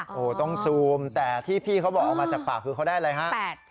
โอ้โหต้องซูมแต่ที่พี่เขาบอกเอามาจากปากคือเขาได้อะไรฮะ